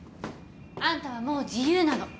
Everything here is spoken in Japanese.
あんたはもう自由なの。